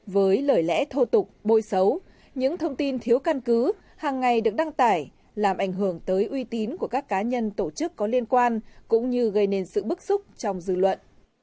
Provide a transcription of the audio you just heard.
với lời lẽ thô tục bôi xấu những thông tin thiếu căn cứ hàng ngày được đăng tải làm ảnh hưởng tới uy tín của các cá nhân tổ chức có liên quan cũng như gây nên sự bức xúc trong dư luận